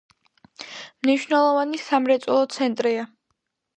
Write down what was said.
მნიშვნელოვანი სამრეწველო ცენტრია.